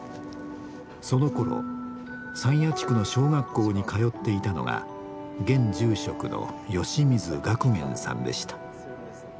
そのころ山谷地区の小学校に通っていたのが現住職の吉水岳彦さんでした。